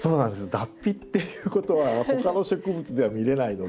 脱皮っていうことは他の植物では見れないので。